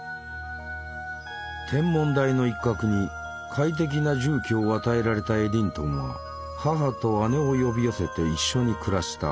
天文台の一角に快適な住居を与えられたエディントンは母と姉を呼び寄せて一緒に暮らした。